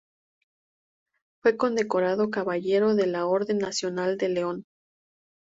Fue condecorado Caballero de la Orden Nacional del León.